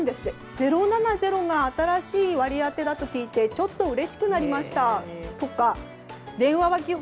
０７０が新しい割り当てだと聞いてちょっとうれしくなりましたとか電話は基本